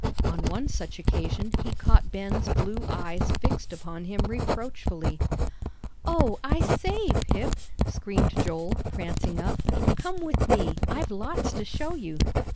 On one such occasion he caught Ben's blue eyes fixed upon him reproachfully. "Oh, I say, Pip," screamed Joel, prancing up, "come with me, I've lots to show you."